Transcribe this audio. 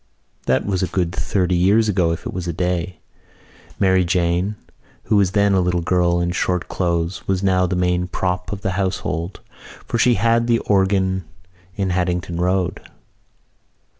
That was a good thirty years ago if it was a day. Mary Jane, who was then a little girl in short clothes, was now the main prop of the household, for she had the organ in Haddington Road.